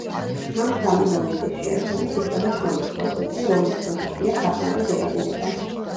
ამ სამი მომენტის შეერთებით იწყება შრომის პროცესი, რომლის პროდუქტია სახმარი ღირებულება.